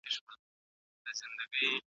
شاوخوا کي وو جوړ کړی